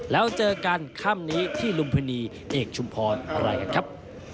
แล้วเจอกันค่ำนี้ที่ลุมพินีเอกชุมพรอะไรกันครับ